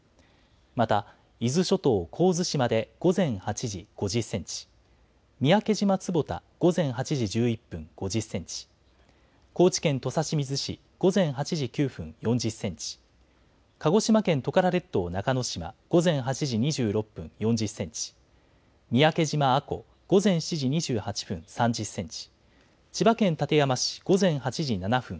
また伊豆諸島、神津島で午前８時、５０センチ、三宅島坪田、午前８時１１分５０センチ、高知県土佐清水市午前８時９分、４０センチ、鹿児島県トカラ列島中之島午前８時２６分、４０センチ、三宅島阿古午前７時２８分、３０センチ。